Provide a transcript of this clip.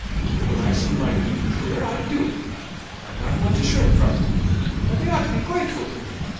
And when I see my duty clear, I do it; I'm not one to shrink from it, and they ought to be grateful to me.